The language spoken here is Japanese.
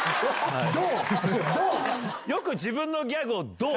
「どう」